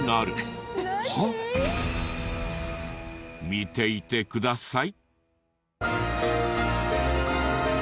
見ていてください。